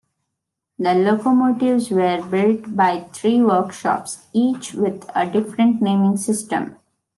The locomotives were built by three workshops, each with a different naming system.